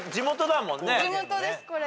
地元ですこれ。